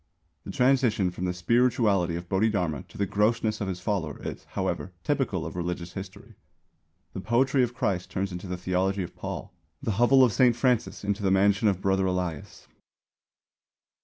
The transition from the spirituality of Bodhidharma to the grossness of his follower is, however, typical of religious history. The poetry of Christ turns into the theology of Paul; the hovel of Saint Francis into the mansion of Brother Elias.